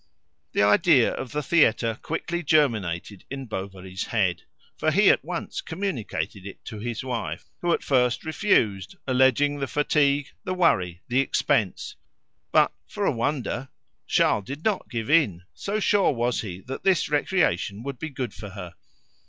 The idea of the theatre quickly germinated in Bovary's head, for he at once communicated it to his wife, who at first refused, alleging the fatigue, the worry, the expense; but, for a wonder, Charles did not give in, so sure was he that this recreation would be good for her.